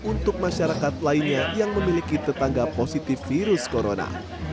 untuk masyarakat lainnya yang memiliki tetangga positif virus corona